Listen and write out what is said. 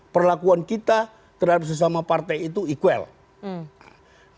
perlakuan kita terhadap sesama sama politik itu yang penting sekali buat nasdem